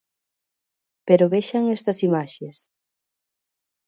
Pero vexan estas imaxes.